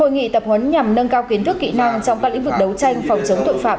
hội nghị tập huấn nhằm nâng cao kiến thức kỹ năng trong các lĩnh vực đấu tranh phòng chống tội phạm